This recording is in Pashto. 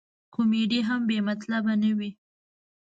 کمیډي هم بې مطلبه نه وي.